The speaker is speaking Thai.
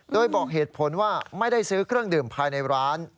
โดยบอกเหตุผลว่าไม่ได้ซื้อเครื่องดื่มภายในร้าน